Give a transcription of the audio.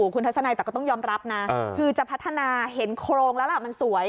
คุณทัศนัยแต่ก็ต้องยอมรับนะคือจะพัฒนาเห็นโครงแล้วล่ะมันสวย